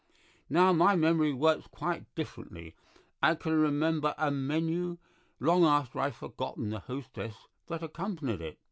Now my memory works quite differently. I can remember a menu long after I've forgotten the hostess that accompanied it.